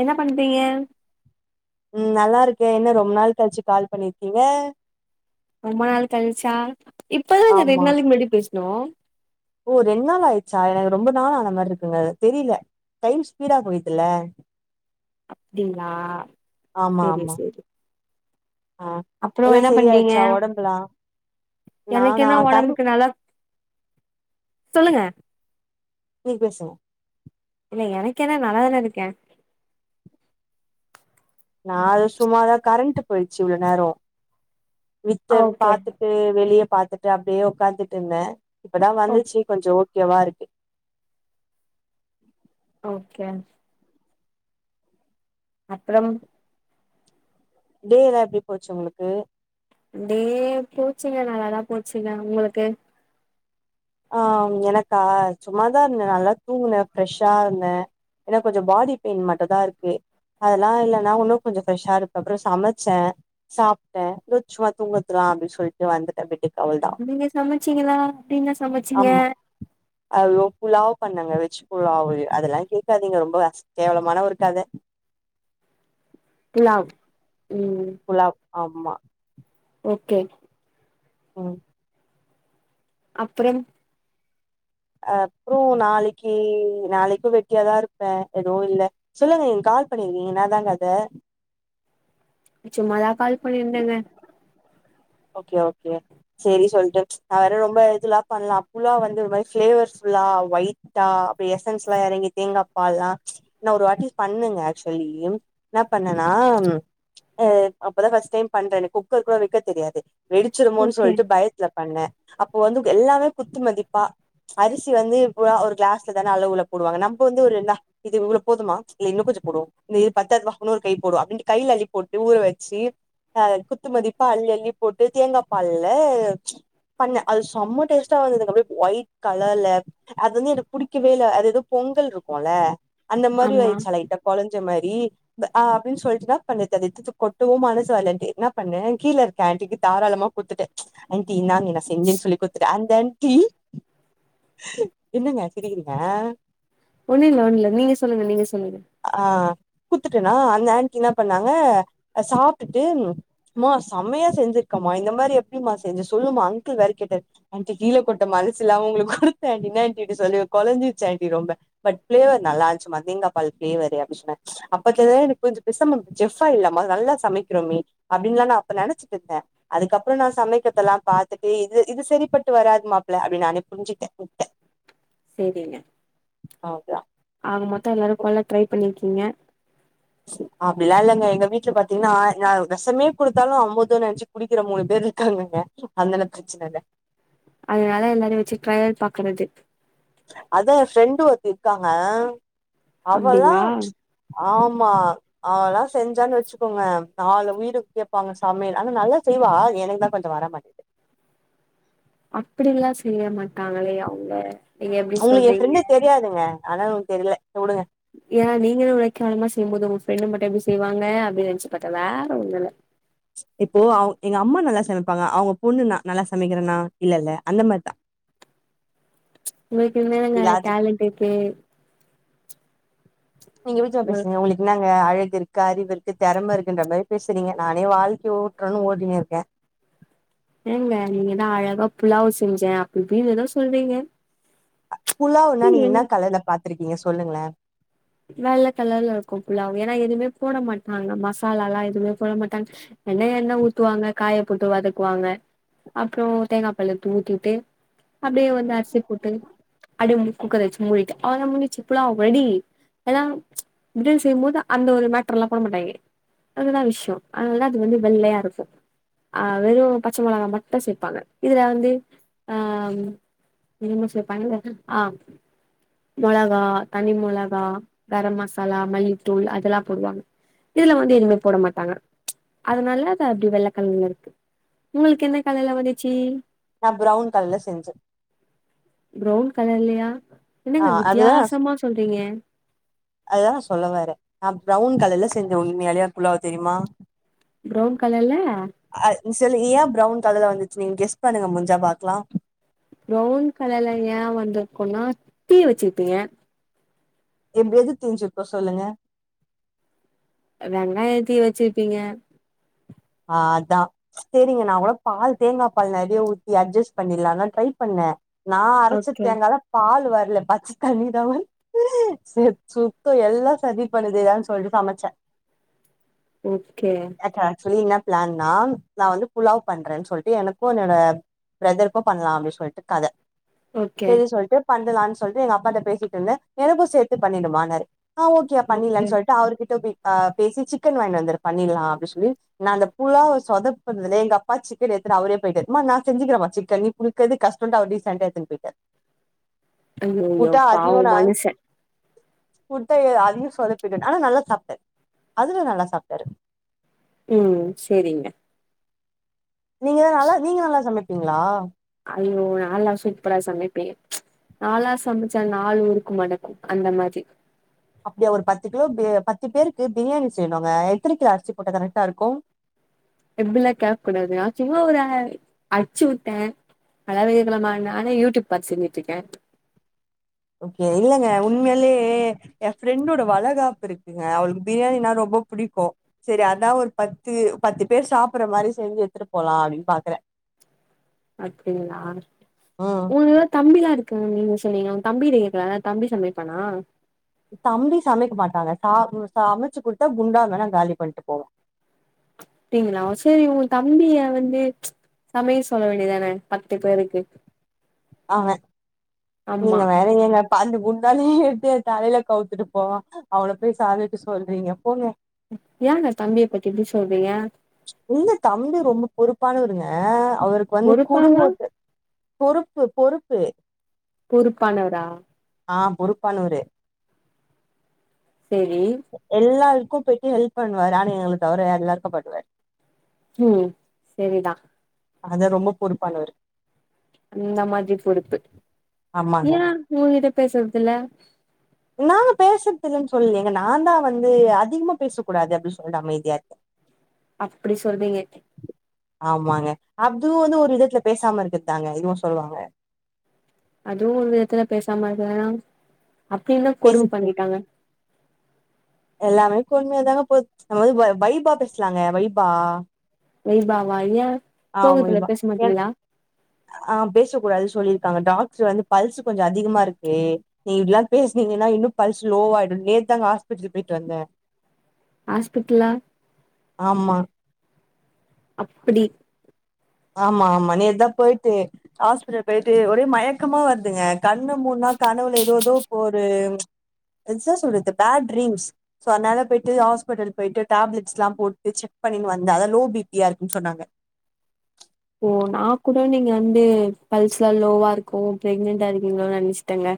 என்ன பண்றீங்க நல்லாருக்கேன் என்ன ரொம்ப நாள் கழிச்சு கால் பண்ணிருக்கீங்க ரொம்ப நாள் கழிச்சா இப்பதான் ஆமா ரெண்டு நாளைக்கு முன்னாடி பேசு ஹலோ ஓ ரெண்டு நாள் ஆயிடுச்சா எனக்கு ரொம்ப நாள் ஆன மாரி இருக்குங்க தெரில டைம் ஸ்பீடா போயிதுல்ல அப்டிங்களா சேரி சேரி ஆஹ் எல்லா சரியாயிடுச்சா உடம்புலாம் எனக்கு நானா என்ன கரண் ஒடம்புக்கு நல்லா சொல்லுங்க நீ பேசு இல்ல எனக்கென்ன நல்லாதானே இருக்கேன் நான் அத சும்மாதான் கரண்ட் போயிச்சு இவ்ளோ நேரம் வித்தர் ஓகே பாத்துட்டு வெளிய பாத்துட்டு அப்படியே உட்காந்துட்டு இருந்தேன் இப்பதான் ஓ வந்துச்சு கொஞ்சே கேவா இருக்கு ஓகே அப்புறம் டேலாம் எப்டி போச்சு உங்களுக்கு டே போச்சுங்க நல்லாதான் போச்சுங்க உங்களுக்கு ஆஹ் எனக்கா சும்மாதான் இருந்தேன் நல்லா தூங்குனேன் ஃபிரெஷ்ஷா இருந்தேன் எனக்கு கொஞ்சம் பாடி பெயின் மட்டும் தான் இருக்கு அதெல்லாம் இல்லைன்னா நான் இன்னும் கொஞ்சே ஃபிரெஷ்ஷா இருப்பேன் அப்புறம் சமைச்சேன் சாப்பிட்டேன் ஏதோ சும்மா தூங்குறதுதான் அப்டின்னு சொல்லிட்டு வந்துட்டேன் பெட்டுக்கு அவ்ளதா நீங்க சமைச்சீங்களா அப்டின ஆமா ஐயோ புலாவ் பண்ணங்க வெஜ் புலாவ் அதெல்லாம் கேட்காதீங்க ரொம்ப அ கேவலமான ஒரு கதை தவ் குலப் ஆமா ஓகே உஹம் அப்புறம் அப்றோம் நாளைக்கு நாளைக்கும் வெட்டியாதான் இருப்பேன் எதுவும் இல்ல சொல்லுங்க நீங்க கால் பண்ணிருக்கீங்க என்னாதாங்க கதை சும்மாதான் கால் பண்ணியிருந்தேங்க ஓகே ஓகே சரி சொல்லிட்டு நான் வேற ரொம்ப இததுல்லாம் பண்ணலாம் அப்போ எல்லா வந்து ஃப்ளேவர் ஃபுல்லா ஒயிட்டா எசன்ஸ் எல்லாம் இறங்கி தேங்காய பால் எல்லா நா ஒரு வாட்டி பண்ணுங்க ஆக்சுவலி என்ன பண்ணேனா அஹ அப்ப தான் ஃபர்ஸ்ட் டைம் பண்ணுறேங்க குக்கர் கூட வைக்க தெரியாது வெடிச்சிருமோன்னு ஓகே சொல்ட்டு பயத்துல பண்ணே அப்போ வந்து எல்லாமே குத்து மதிப்பா அரிசி வந்து இப்போ ஒரு க்ளாஸ்ல தானே அளவுள போடுவாங்க நம்ப வந்து ஒரு இந்தா இது இவ்ளோ போதுமா இல்லை இன்னு கொஞ்ச போடுவோ இந்த இது பாத்தது பா இன்னொரு கை போடுவோ அப்டிண்டு கையில அள்ளி போட்டு ஊற வெச்சி அத குத்து மதிப்பா அள்ளி அள்ளி போட்டு தேங்காபால்ல பண்ண அது செம டேஸ்ட்டா வந்ததுங்க அப்டியே ஒயிட் கலர்ல அது வந்து எனக்கு புடிக்கவே இல்ல அது ஏதோ பொங்கல்ற்ருக்கோள அந்த மாரி ஆமா ஆயிச்சா லைட்டா கொலைஞ்ச மாரி டி ஹ அப்டின்னு சொல்லிட்டு நா பண்ணத்து அது கொட்டவு மனசு வரல்ல எனக்கு என்ன பண்ணே கீலரு அந்த ஹண்ட்டிக்கி தாரலமா குத்துட்டே ஹண்ட்டி இந்தாங்க நா செஞ்சேன் சொல்லி குடுத்துட்டே அந் த ஹண்ட்டி என்னங்க சிரிக்கிறீங்க ஒண்ணு இல்ல-ஒண்ணு இல்ல நீங்க சொல்லுங்க-நீங்க சொல்லுங்க ஆ குத்துட்டேனா அந்த ஆன்டி என்ன பண்ணாங்க சாப்ட்டுட்டு மா சமையா செஞ்சிருக்கமா இந்த மாரி எப்டிமா செஞ்ச சொல்லுமா அங்கிள் வேற கேட்டரு ஹாண்டி கீல கொட்ட மனசு இல்லாம உங்களுக்கு குடுத்த ஹாண்டி இன்னா ஹாண்டி சொல்லி குலைஞ்சிருச்சி ஹாண்டி ரொம்ப பட் பிளேவர் நல்லா இருச்சுமா தேங்காப்பால் பிளேவரு அப்டின்னு சொன்னே அப்பத்துலருந்து தா எனக்கு புரிஞ்சிது பேசாம நம்ப செஃப் ஆயில்லாம நல்லா சமைக்கிறோமே அப்டின்லா இப்ப நெனைச்சிட்டு இருக்கே அதுக்கப்புறோ நா சமைக்கிறதெல்லா பாத்துட்டு இது-இது செரிப்பட்டு வராது மாப்பிள்ள அப்டின்னு நானே புரிஞ்சிக்கிட்டே வுட்ட செரிங்க அவ்தா அவுங்க மொத்த எல்லாரு போல ட்ரை பண்ணிருக்கீங்க அப்டில்லா இல்லைங்க எங்க வீட்ல பாத்தீங்கன்னா நா வெஷமே குடுத்தாலு அமுதோ நெனைச்சி குடிக்கிற மூணு பேரு இருக்காங்க அதனால பிரச்சன இல்ல அதனால எல்லாரையு வச்சி ட்ரையல் பாக்குறது அத்தா எ ப்ரெண்டு ஒருத்தி இருக்காங்க அவலா அப்டிங்களா ஆமா அவலா செஞ்சான்னு வச்சிக்கோங்க நாலு வீடுக் கேப்பாங்க சமையல் ஆனா நல்லா செய்வா எனக்கு தா கொஞ்ச வர மாட்டேது அப்டில்லா செய்ய மாட் டாங்களே அவுங்க நீங்க எப்டி உங்களுக்கு எ சொல்றீங்க ஃப்ரெண்டு தெரியாதுங்க ஆனா உங்ளுக்கு தெரில உடுங்க ஏனா நீங்கலா உழக்காலமா செய்யும்போது உங்க ப்ரெண்டு மட்டு எப்டி செய்வாங்க அப்டின்னு நெனைச்சு பாத்தே வேற ஒண்ணுல்ல இப்போ அவு எங்க அம்மா நல்லா சமைப்பாங்க அவுங்க பொண்ணு நா நல்லா சமைக்கிறேனா இல்லல்ல அந்த மாரிதா உங்களுக்கு இப்டி உண்மையாலுங்க லாஜிக் டாலண்ட் இருக்கே நீங்க வீட்ல வந்து பேசுங்க உங்களுக்கு இன்னான்னு வா அழகு இருக்கு அறிவு இருக்கு திறம இருக்குன்ற மாரி பேசுறீங்க நானே வாழ்க்கை ஓட்றோன்னு ஓட்டினு இருக்கே ஏங்க நீங்கதா அழகா புலாவ் செஞ்சே அப்டிஇப்டின்னு ஏதோ சொல்றீங்க புலாவ்னா எங்க நீங்கன்னா கலர்ல பாத் திருக்கீங்க சொல்லுங்களே வெள்ள கலர்ல இருக்கு புலாவ் ஏன்னா எதுவுமே போட மாட்டாங்க மசாலாலா எதுவுமே போட மாட்டாங்க என்ன எண்ண ஊத்துவாங்க காய போட்டு வதக்குவாங்க அப்புற தேங்காபால் எடுத்து ஊத்திட்டு அப்டியே வந்து அரிசி போட்டு அடிமுடி குக்கர் வச்சி மூடிட்டு அவ்ளோதா முஞ்சிச்சி புலாவ் ரெடி எல்லாம் செய்யும்போது அந்த ஒரு மேட்டர் எல்லா போட மாட்டாங்க அதுதா விஷய [unintelligible] அது வந்து வெள்ளையா இருக்கு ஆஹ் வெறு பச்ச மொளகா மட்டு சேர்ப்பாங்க இதுல வந்து ஆஹ் என்னமோ சேப்பாங்களே ஆஹ் மொளகா தனி மொளகா கரம் மசாலா மல்லித்தூள் அதெல்லா போடுவாங்க இதுல வந்து எதுமே போட மாட்டாங்க அதனால அது அப்டி வெள்ளகலர்ல இருக்கு உங்களுக்கு என்ன கலர்ல வந்துச்சி நா ப்ரவுன் கலர்ல செஞ்சே பிரவுன் கலர்லியா ஆ என்னங்க அதுதா வித்தியாசமா சொல்றீங்க அதுதா நா சொல்லவறே நா பிரவுன் கலர்ல செஞ்சே உண்மைலே புலாவ் தெரியுமா ப்ரவுன் கலர்ல அது நீ சொல்லு ஏ பிரவுன் அதுல வந்துச்சு நீங்க கெஸ் பண்ணுங்க முஞ்சா பாக்கலாம் ப்ரவுன் கலர்ல ஏன் வந்துருக்கோன்னா தீய வச்சிருப்பீங்க இப்ப எது தீன்சு இருக்கும் சொல்லுங்க வெங்காய தீ வச்சுருப்பீங்க ஆஹ் அதான் சரிங்க நான் கூட பால் தேங்காபால் நெறைய ஊத்தி அட்ஜஸ்ட் பண்ணலாம் நா ட்ரை பண்ணேன் நா அரைச்ச ஓகே தேங்கால பால் வர பச்ச தண்ணி தான் வருது சுத்தம் எல்லா சதி பண்ணுதே சொல்லிட்டு சமைச்சேன் ஓகே ஆக்சுவலி என்ன பிளான்னா நான் வந்து புலாவ் பண்றேன்னு சொல்லிட்டு எனக்கும் என்னோட பிரதருக்கும் பண்ணலாம் அப்டி சொல்லிட்டு கதை ஓகே சேரி சொல்லிட்டு பண்லாண்டு சொல்லிட்டு எங்க அப்பாட்ட பேசிட்டுருந்தேன் எனக்கும் சேர்த்து பண்ணிடுமான்னாரு ஆஹ ஓகோ ஓகே பண்ணிலான்னு சொல்லிட்டு அவர்கிட்ட அஹ் பேசி சிக்கன் வாங்கினு வந்துரு பண்ணிலாம் அப்டி சொல்லி நான் அந்த புலாவ் சொதைப்புனதுலே எங்க அப்பா சிக்கன் எடுத்துட்டு அவரே போயிட்டாரு மா நா செஞ்சிக்கிறேம்மா சிக்கன் நீ புடிக்கிறது கஷ்டண்ட்டு அவரே டீசண்டா எடுத்துனு போயிட்டாரு ஐயையோ பாவம் மனுசன் ஃபுட்ட அதையும் சோதப்பிட்ட ஆனா நல்லா சாப்பிட்டன் அதுல நல்லா சாப்பிட்டாரு ம் சேரிங்க நீங்கதான் நல்லா நீங்க நல்லா சமை இருக்கீங்களா ஐயோ நாலா சூப்ரா சமைப்பேன் நாலா சமைச்சா நாள் ஊருக்கு மணக்கும் அந்த மாரி அப்டியா ஒரு பத்து கிலோக்கு பத்து பேருக்கு பிரியாணி செய்யணும்ங்க எத்தனை கிலோ அரிசி போட்டா கரெக்டா இருக்கும் அப்டிலாம் கேக்க கூடாது சும்மா ஒரு அடிச்சுவிட்டேன் அதாவது கேக்கலாமா நானே யூடியூப் பாத்து செஞ்சிட்டு இருக்கேன் ஓகே இல்லங்க உண்மையிலே என் ஃப்ரெண்டோட வளகாப்பு இருக்குங்க அவளுக்கு பிரியாணினா ரொம்ப புடிக்கும் சரி அதான் ஒரு பத்து பத்து பேர் சாப்புடுற மாரி செஞ்சு எடுத்துட்டு போலாம் அப்டினு பாக்குறேன் அப்படிங்களா ம் மூணு வேட தம்பிலா இருக் நீங்க சொன்னீங்க உங்க தம்பிட்ட கேக்கலாம்ல தம்பி சமைப்பானா தம்பி சமைக்க மாட்டாங்க சா சமைச்சி குடுத்தா குண்டா வேணா காலி பண்ணிட்டு போவும் அப்டிங்களா சரி உங்க தம்பிய வந்து சமைக்க சொல்ல வேண்டியதானே பத்து பேருக்கு ஆமா ஆமா நீங்க வேற ஏங்க அந்த குண்டானே எடுத்து என் தலைல கவுத்துட்டு போவான் அவன போய் சமைக்க சொல்றீங்க போங்க ஏங்க தம்பியை பத்தி இப்டி சொல்றீங்க ஏங்க தம்பி ரொம்ப பொறுப்பான வருங்க அவருக்கு வந்து பொறுப்பாவா குறும்போத்து பொறுப்பு பொறுப்பு பொறுப்பானவரா ஆஹ் பொறுப்பானவரு சேரி எல்லாருக்கு போயிட்டு ஹெல்ப் பண்ணுவாரு ஆனா எங்கள தவிர வேற எல்லாருக்கும் பண்ணுவாரு ம் சேரிதான் அதான் ரொம்ப பொறுப்பானவரு இந்த மாதிரி பொறுப்பு ஆமாங்க ஏன் ஒ இதுப் பேசறதுதில்ல நாங்க பேசுறது இல்லன்னு சொல்லே நான் தான் வந்து அதிகமா பேச கூடாது அப்படின்னு சொல்ட்டு அமைதியா இருக்கேன் அப்டி சொல்றீங்க ஆமாங்க அப்தும் வந்து ஒரு விதத்துல பேசாம இருக்கது தாங்க இதுவும் சொல்வாங்க அதுவும் ஒரு விதத்துல பேசாமா [unintelligible] அப்பி என்ன கொடும பேசுறது பண்ணிட்டாங்க உண்மைய தாங்க போய் நம்ம வந்து வைபா பேசலாங்க வைபா வைபா வா ஏன் சோகத்துல பேச மாட்டீங்களா ஆஹ் பேசக் கூடாது சொல்லியிருக்காங்க டாக்டர் வந்து பல்ஸ் கொஞ்சம் அதிகமா இருக்கு நீ இப்டிலாம் பேசுனீங்கன்னா இன்னும் பல்ஸ் லோவாயிடும் நேத்துதாங்க ஹாஸ்பிட்டலுக்கு போயிட்டு வந்தேன் ஆஸ்பிட்லா ஆமா அப்டி ஆமா ஆமா நேத்தான் போயிட்டு ஆஸ்பிடல் போயிட்டு ஒரே மயக்கமா வருதுங்க கண்ணு மூன்னா கனவுல எதோ எதோ இப்ப ஒரு என்ன சொல்றது பேட் டீரிம்ஸ் சோ அதனால போயிட்டு ஆஸ்பிடல் போயிட்டு டேப்லெட்ஸ்லாம் போட்டு செக் பண்ணினு வந்தேன் அதான் லோ பிபியா இருக்குனு சொன்னாங்க ஓ நா கூட நீங்க வந்து பல்ஸ் லோவா இருக்கோ பிரக்னெண்டா இருக்கீங்களோனு நினைச்சட்டேங்க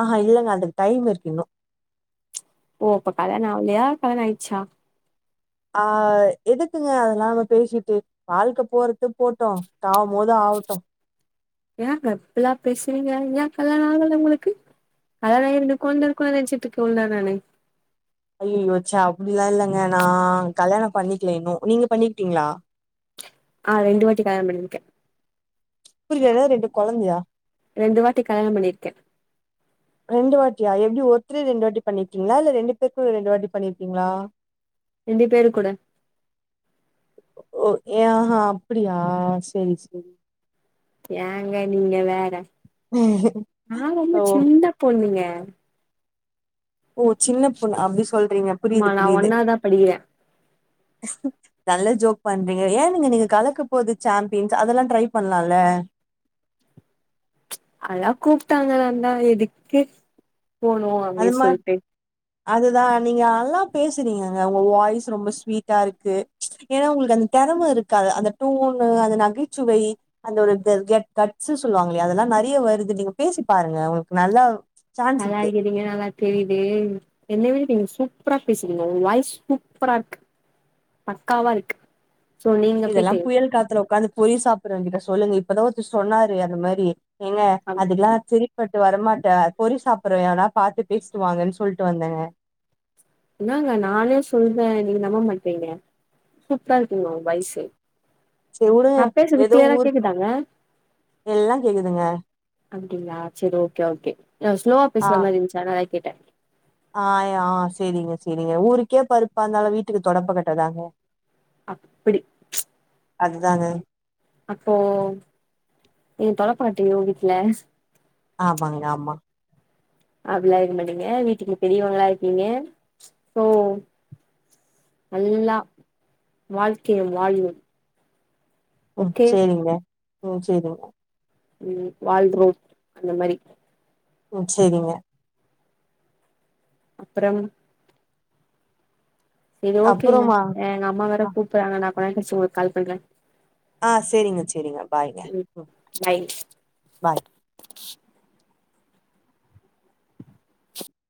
ஆஹா இல்லங்க அதுக்கு டைம் இருக்கு இன்னும் ஓ அப்ப கல்யாணம் ஆவுலையா கல்யாணம் ஆயிச்சா ஆஹ் எதுக்குங்க அதெலாம் நம்ப பேசிட்டு வாழ்க்கை போறது போட்டோம் ஏன்கா இப்பலாம் பேசறீங்க ஏன் கல்யாணம் ஆகல உங்களுக்கு கல்யாணம ஆயி ரெண்டு கொழந்த இருக்குனு நினைச்சிட்டு இருக்கே இவ்ளோ நாளா நானு ஐய்யயோ செ அப்டிலாம் இல்லங்க நான் கல்யாணம் பண்ணிக்கல இன்னும் நீங்க பண்ணிக்கிட்டீங்களா அஹ ரெண்டு வாட்டி கல்யாணம் பண்ணியிருக்கேன் புரியல ரெண்டு கொழந்தையா ரெண்டு வாட்டி கல்யாணம் பண்ணிருக்கேன் ரெண்டு வாட்டியா எப்டி ஒருத்ரே ரெண்டு வாட்டி பண்ணிருக்கீங்களா இல்ல ரெண்டு பேருக்கு ரெண்டு வாட்டி பண்ணியிருக்கீங்களா ரெண்டு பேரு கூட ஆஹ அப்டியா செரி செரி ஏங்க நீங்க வேற நான் ரொம்ப ஓ சின்ன பொண்ணுங்க உ [unintelligible] ஒ சின்ன பொண்ணு அப்பிஸ் ஆமா நான் ஒன்னாதான் படிக்கிறேன் நல்ல ஜோக் பண்றீங்க ஏன் நீங்க நீங்க கலக்க போது சாம்பியன்ஸ் அதெல்லாம் ட்ரை பண்ணலாம்ல ச்சு அல்லா கூப்பிட்டாங்கந்தா எதுக்கு போனோம் அப்டி சொல்ட்டு அதுதான் நீங்க நல்லா பேசுறீங்கங்க உங்க வாய்ஸ் ரொம்ப ஸ்வீட்டா இருக்கு ச்சு ஏன்னா உங்களுக்கு அந்த திறமை இருக்கா அந்த டோனு அந்த நகைச்சுவை அந்த ஒரு க கெ கட் கட்ஸ் சொல்லுவாங்களையா அதெல்லாம் நெறைய வருது நீங்க பேசி பாருங்க உங்களுக்கு நல்லா சான்ஸ் இருக்கு இங்க நல்லா தெரியுதே என்ன விட நீங்க சூப்பரா பேசறீங்க உங்க வாய்ஸ் சூப்பரா இருக்கு பக்காவா இருக்கு சோ நீங்க போய்ட்டு இதெல்லாம் புயல் காத்துல உட்காந்து பொரி‌ சாப்டுறவங்கிட்ட சொல்லுங்க இப்பதான் ஒருத்தர் சொன்னாரு அந்த மாரி ஏங்க அப் அதெல்லாம் செரிப்பட் வரமாட்டே பொரி சாப்டுறவன் எவனா பாத்து பேசிட்டு வாங்கன்னு சொல்லிட்டு வந்தேங்க என்னாங்க நானே சொல்றேன் நீங்க நம்ப மாட்ரிங்க சூப்பரா இருக்கு உங்க வைசு செரி உடுங்க ஏதோ ஊர் கேக்குதாங்க எல்லா கேக்குதுங்க அப்டிங்களா செரி ஓகே ஓகே ஸ்லோவா பேசுற மாரி இருந்துச்சு கேட்டன் ஆஹ சேரிங்க சேரிங்க ஊருக்கே பருப்பா இருந்தாலும் வீட்டுக்கு தொடப்ப கட்டதாங்க அப்டி அதுதானே அப்போ நீ தொடப்பகட்ட உங்க வீட்ல ஆமாங்க ஆமா அப்டிலாம் இருக்க மாட்டீங்க வீட்டுக்கு பெரியவங்களா இருக்கீங்க சோ நல்லா வாழ்க்கைய வாழ்னும் ம் சேரிங்க ம் சேரிங்க உம் வாழ்ரோம் அந்த மாரி உம் செரிங்க அப்புறம் செரி ஓகேங்க அப்புறமா எங்க அம்மா வேற கூப்பிடுறாங்க நான் கொஞ்சம் கழிச்சு கால் பண்றேன் ஆஹ சேரிங்க சேரிங்க பாய்ங்க பாய் பாய்